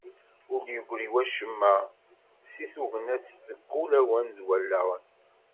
Ur d-yegri wacemma seg tugna-s deg wulawen d wallaɣen.